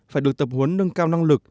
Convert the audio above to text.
phải được tập huấn nâng cao năng lực